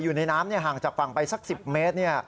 อยู่ในน้ำห่างจากฝั่งไปสัก๑๐เมตร